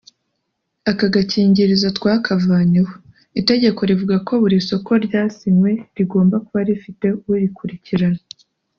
Ako gakingirizo twakavanyeho […] Itegeko rivuga ko buri soko ryasinywe rigomba kuba rifite urikurikirana